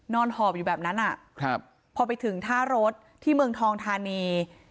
หอบอยู่แบบนั้นพอไปถึงท่ารถที่เมืองทองธานี